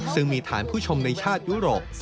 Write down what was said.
ซึ่งมีฐานผู้ชมในชาติยุโรป